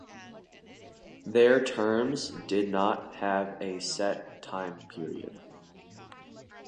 Their terms did not have a set time period.